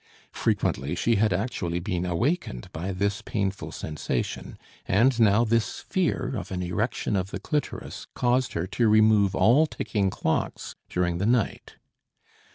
Frequently she had actually been awakened by this painful sensation and now this fear of an erection of the clitoris caused her to remove all ticking clocks during the night.